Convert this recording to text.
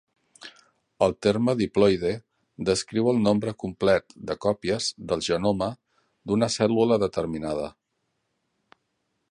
El terme diploide descriu el nombre complet de còpies del genoma d'una cèl·lula determinada.